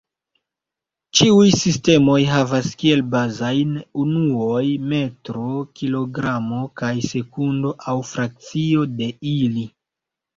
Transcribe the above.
Ĉiuj sistemoj havas kiel bazajn unuoj metro, kilogramo kaj sekundo, aŭ frakcio de ili.